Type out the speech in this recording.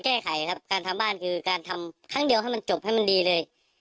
แก้ไขครับการทำบ้านคือการทำครั้งเดียวให้มันจบให้มันดีเลย